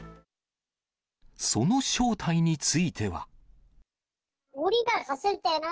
その正体については。